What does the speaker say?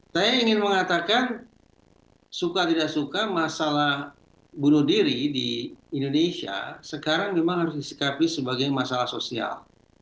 saya ingin mengatakan suka tidak suka masalah bunuh diri di indonesia sekarang memang harus disikapi sebagai masalah sosial